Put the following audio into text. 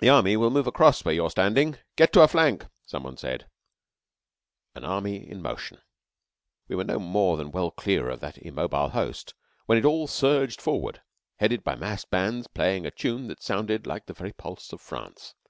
"The army will move across where you are standing. Get to a flank," some one said. AN ARMY IN MOTION We were no more than well clear of that immobile host when it all surged forward, headed by massed bands playing a tune that sounded like the very pulse of France.